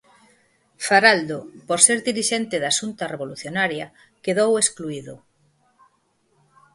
Faraldo, por ser dirixente da xunta revolucionaria, quedou excluído.